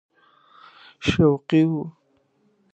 شوقي وو.